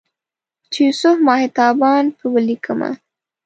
چې یوسف ماه تابان په ولیکمه